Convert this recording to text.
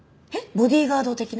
ボディーガード的な？